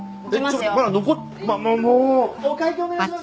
もうお会計お願いします。